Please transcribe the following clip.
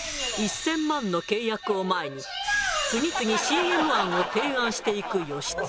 １０００万の契約を前に次々ＣＭ案を提案していく義経。